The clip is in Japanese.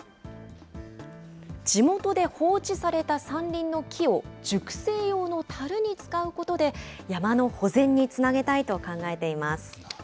地元で放置された山林の木を熟成用のたるに使うことで、山の保全につなげたいと考えています。